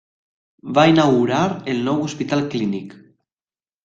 Va inaugurar el nou hospital Clínic.